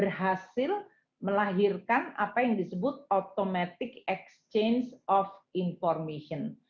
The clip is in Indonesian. forum g dua puluh berhasil melahirkan apa yang disebut automatic exchange of information